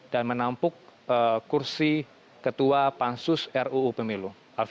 dan menampuk kursi ketua pansus ruu pemilu